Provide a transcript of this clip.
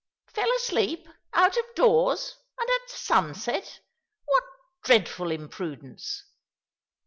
" Fell asleep — out of doors— and at sunset ! What dreadful imprudence."